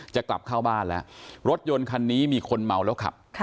จะกลับเข้าบ้านแล้วรถยนต์คันนี้มีคนเมาแล้วขับ